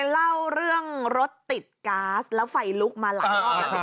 เล่าเรื่องรถติดก๊าซแล้วไฟลุกมาหลายรอบ